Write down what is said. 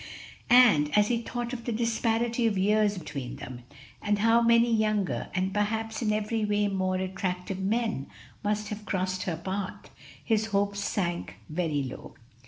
And as he thought of the disparity of years between them, and how many younger, and perhaps in every way more attractive men, must have crossed her path, his hopes sank very low.